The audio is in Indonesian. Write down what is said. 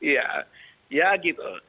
ya ya gitu